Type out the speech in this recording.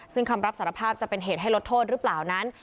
ซึ่งคำรับสารภาพจะเป็นเหตุให้ลดโทษหรือเปล่านั้น